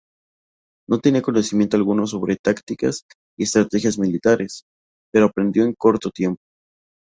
No tenía conocimiento alguno sobre tácticas y estrategias militares, pero aprendió en corto tiempo.